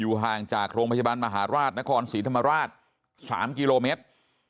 ห่างจากโรงพยาบาลมหาราชนครศรีธรรมราช๓กิโลเมตร